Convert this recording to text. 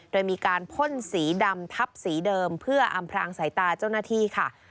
โดยมีการพ่นสีดำทับสีเดิมเพื่ออำพรางสายตาเจ้าหน้าที่ค่ะ